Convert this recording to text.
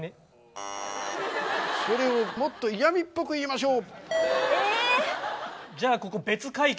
それをもっと嫌みっぽく言いましょう。